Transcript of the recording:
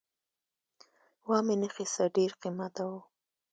وامې نه خیسته ډېر قیمته وو